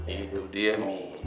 itu dia mbae